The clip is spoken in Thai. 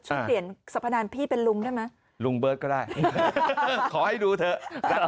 เปลี่ยนสรรพนานพี่เป็นลุงได้ไหมลุงเบิร์ตก็ได้ขอให้ดูเถอะ